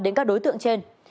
đến các đối tượng trên